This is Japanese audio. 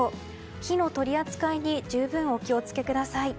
火の取り扱いに十分お気を付けください。